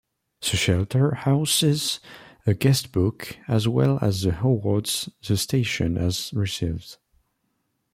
The shelter houses a guestbook as well as the awards the station has received.